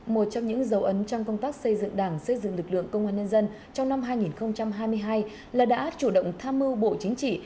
một trong những dấu ấn trong công tác xây dựng đảng xây dựng lực lượng công an nhân dân trong năm hai nghìn hai mươi hai là đã chủ động tham mưu bộ chính trị